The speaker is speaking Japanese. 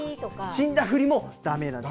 死んだふりもだめなんです。